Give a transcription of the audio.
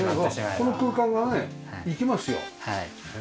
この空間がね生きますよ。